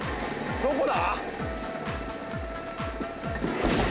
どこだ？